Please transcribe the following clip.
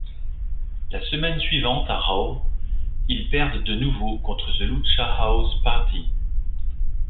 La semaine suivante à Raw, ils perdent de nouveau contre The Lucha House Party.